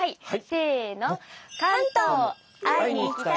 せの！